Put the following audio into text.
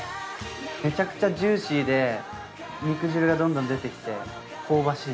めちゃくちゃジューシーで肉汁がどんどん出てきて香ばしい。